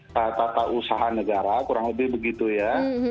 tata usaha negara kurang lebih begitu ya